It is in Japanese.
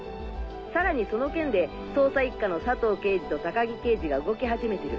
さらにその件で捜査一課の佐藤刑事と高木刑事が動き始めてる。